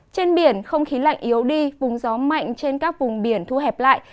trên biển không khí lạnh yếu đi vùng gió mạnh trên các vùng biển thu hẹp lại